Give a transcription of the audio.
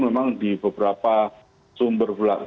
memang di beberapa sumber yang kita temui